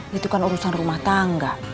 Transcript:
itu kan urusan rumah tangga